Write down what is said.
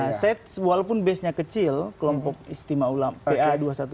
nah walaupun base nya kecil kelompok istimewa ulama pa dua ratus dua belas